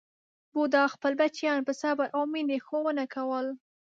بوډا خپل بچیان په صبر او مینې ښوونه کول.